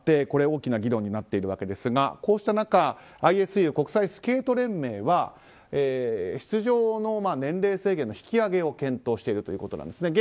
これが大きな議論になっているわけですがこうした中ＩＳＵ・国際スケート連盟は出場の年齢制限の引き上げを検討しているということです。